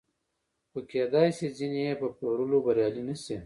خو کېدای شي ځینې یې په پلورلو بریالي نشي